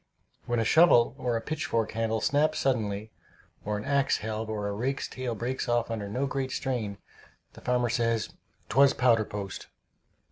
When a shovel or a pitchfork handle snaps suddenly, or an axe helve or a rake's tail breaks off under no great strain, the farmer says, "'Twas powder post."